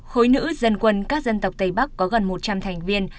khối nữ dân quân các dân tộc tây bắc có gần một trăm linh thành viên